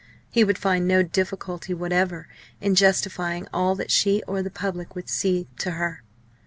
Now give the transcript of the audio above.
He would find no difficulty whatever in justifying all that she or the public would see, to her.